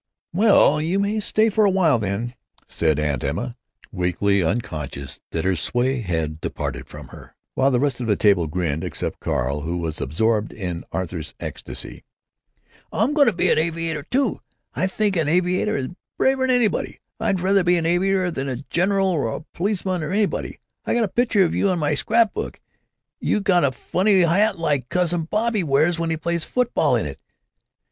"Well, you may stay for a while, then," said Aunt Emma, weakly, unconscious that her sway had departed from her, while the rest of the table grinned, except Carl, who was absorbed in Arthur's ecstasy. "I'm going to be a' aviator, too; I think a' aviator is braver than anybody. I'd rather be a' aviator than a general or a policeman or anybody. I got a picture of you in my scrap book—you got a funny hat like Cousin Bobby wears when he plays football in it.